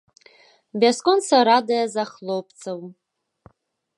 Бясконца радыя за хлопцаў!